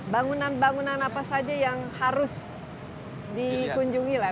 bangunan bangunan apa saja yang harus dikunjungi lah